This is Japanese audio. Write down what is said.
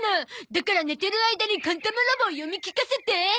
だから寝てる間にカンタムロボ読み聞かせて。